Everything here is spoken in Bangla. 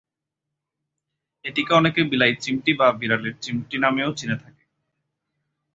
এটিকে অনেকে বিলাই-চিমটি বা বিড়ালের-চিমটি নামেও চিনে থাকে।